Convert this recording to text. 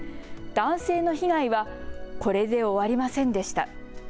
男性の被害はこれで終わりませんでした。